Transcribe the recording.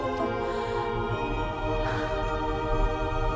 nih aku juga gak bisa ngerasain aja ya